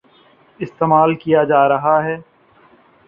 استعمال کیا جارہا ہے ۔